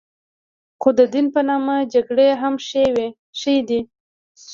خو د دین په نامه جګړې هم شوې دي.